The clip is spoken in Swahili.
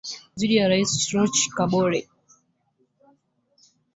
dhidi ya Rais Roch Kabore